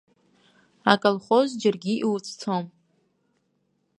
Аколхоз џьаргьы иуцәцом.